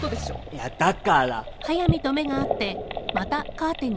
いやだから。